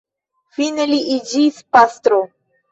Fine li iĝis pastro.